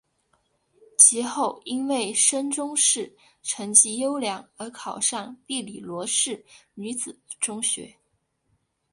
及后因为升中试成绩优良而考上庇理罗士女子中学。